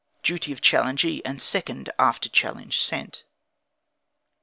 Duty of Challengee and Second After Challenge Sent.